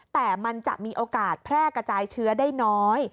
แต่มันจะมีโอกาสแพร่กระจายเชื้อได้น้อย